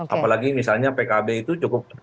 apalagi misalnya pkb itu cukup